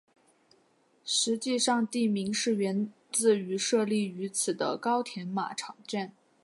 实际上地名是源自于设立于此的高田马场站。